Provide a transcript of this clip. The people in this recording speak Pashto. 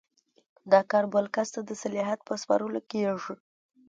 دا کار بل کس ته د صلاحیت په سپارلو کیږي.